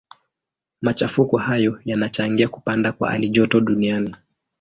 Machafuko hayo yanachangia kupanda kwa halijoto duniani.